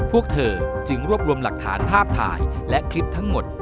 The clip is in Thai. พวกเธอจึงรวบรวมหลักฐานภาพถ่ายและคลิปทั้งหมด